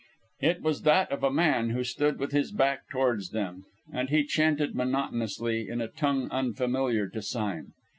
It was that of a man, who stood with his back towards them, and he chanted monotonously in a tongue unfamiliar to Sime.